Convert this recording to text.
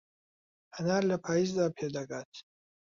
هەنار لە پایزدا پێدەگات